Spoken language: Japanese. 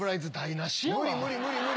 無理無理無理無理。